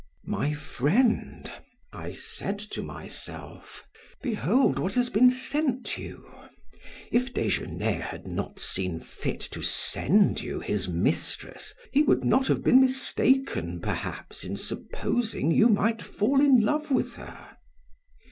"My friend," I said to myself, "behold what has been sent you. If Desgenais had not seen fit to send you his mistress he would not have been mistaken, perhaps, in supposing that you might fall in love with her.